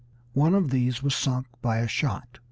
One of these was sunk by a shot.